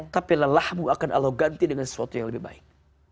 tapi lelahmu akan allah ganti dengan sesuatu yang lebih baik